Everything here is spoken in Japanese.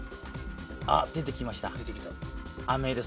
出て来ました。